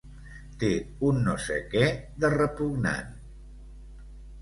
Té un no sé què de repugnant.